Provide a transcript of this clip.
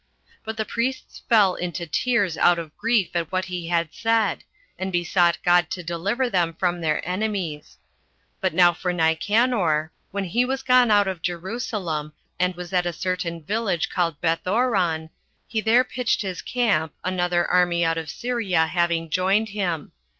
But the priests fell into tears out of grief at what he had said, and besought God to deliver them from their enemies But now for Nicanor, when he was gone out of Jerusalem, and was at a certain village called Bethoron, he there pitched his camp, another army out of Syria having joined him.